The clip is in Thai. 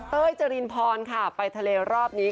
เจรินพรค่ะไปทะเลรอบนี้